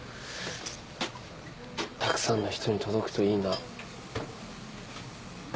たくさんの人に届くといいな。